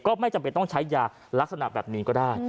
ไม่จำเป็นต้องใช้ยาลักษณะแบบนี้ก็ได้